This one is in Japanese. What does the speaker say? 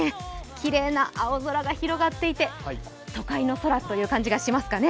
きれいな青空が広がっていて都会の空という感じがしますかね。